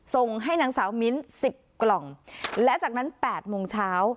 ส่งให้นางสาวมิ้น๑๐กล่องและจากนั้น๘โมงเช้า